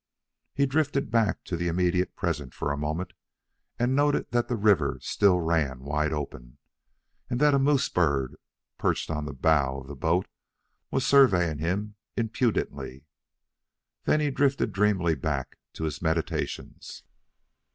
He drifted back to the immediate present for a moment and noted that the river still ran wide open, and that a moose bird, perched on the bow of the boat, was surveying him impudently. Then he drifted dreamily back to his meditations.